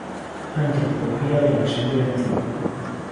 Antropología de la acción directiva.